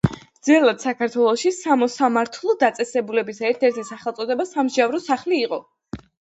ძველად საქართველოში სამოსამართლო დაწესებულების ერთ-ერთი სახელწოდება სამსჯავრო სახლი იყო...